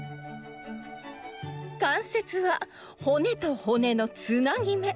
関節は骨と骨のつなぎめ。